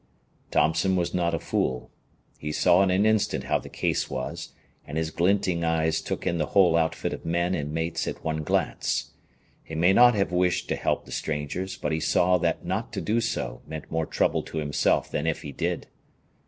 Thompson was not a fool. He saw in an instant how the case was, and his glinting eyes took in the whole outfit of men and mates at one glance. He may not have wished to help the strangers, but he saw that not to do so meant more trouble to himself than if he did.